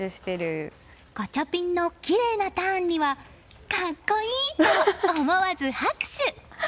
ガチャピンのきれいなターンには格好いいと思わず拍手！